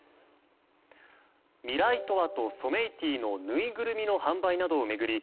ミライトワとソメイティのぬいぐるみの販売などを巡り